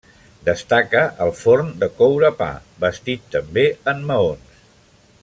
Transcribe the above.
Destaca el forn de coure pa, bastit també en maons.